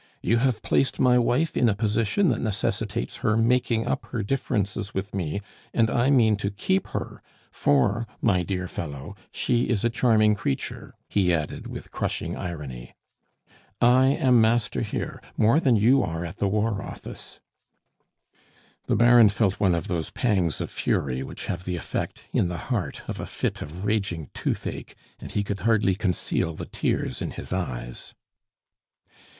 "You have placed my wife in a position that necessitates her making up her differences with me, and I mean to keep her; for, my dear fellow, she is a charming creature," he added, with crushing irony. "I am master here more than you are at the War Office." The Baron felt one of those pangs of fury which have the effect, in the heart, of a fit of raging toothache, and he could hardly conceal the tears in his eyes.